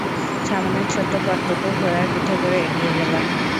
সামনের ছোট্ট পথটুকু ঘোড়ার পিঠে করে এগিয়ে গেলাম।